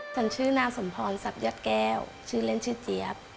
ฉันชื่อนางสมพรสับยอดแก้วชื่อเล่นชื่อเจี๊ยบ